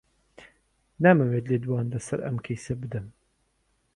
نامەوێت لێدوان لەسەر ئەم کەیسە بدەم.